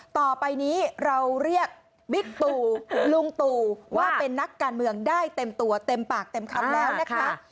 ต่อไปนี้เราเรียกบิ๊กตู่ลุงตู่ว่าเป็นนักการเมืองได้เต็มตัวเต็มปากเต็มคำแล้วนะคะ